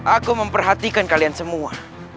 aku memperhatikan kalian semua